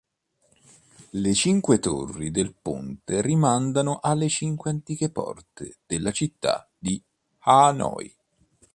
Le cinque torri del ponte rimandano alle cinque antiche porte della città di Hanoi.